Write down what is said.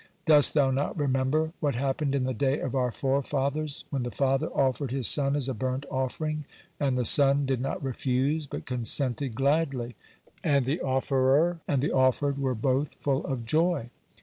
Dost thou not remember what happened in the day of our forefathers, when the father offered his son as a burnt offering, and the son did not refuse, but consented gladly, and the offerer and the offered were both full of joy?